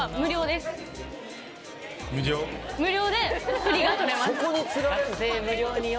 無料でプリが撮れます。